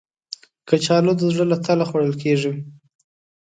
کچالو د زړه له تله خوړل کېږي